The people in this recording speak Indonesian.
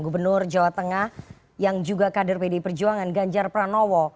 gubernur jawa tengah yang juga kader pdi perjuangan ganjar pranowo